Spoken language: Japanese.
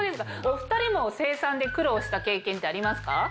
お２人も精算で苦労した経験ってありますか？